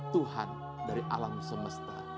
tuhan dari alam semesta